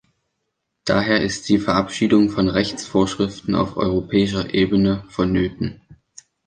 Daher ist die Verabschiedung von Rechtsvorschriften auf europäischer Ebene vonnöten.